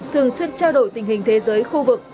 thường xuyên trao đổi tình hình thế giới khu vực